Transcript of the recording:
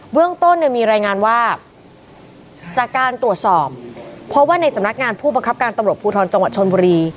เรื่องต้นเนี่ยมีรายงานว่าจากการตรวจสอบเพราะว่าในสำนักงานผู้บังคับการตำรวจภูทรจังหวัดชนบุรี